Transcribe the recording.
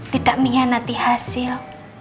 tidak miyak nanti hasil